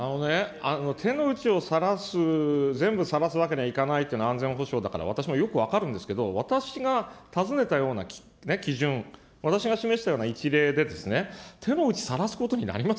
手の内をさらす、全部さらすわけにはいかないというのは、安全保障だから、私もよく分かるんですけれども、私が尋ねたような基準、私が示したような一例で、手の内さらすことになります。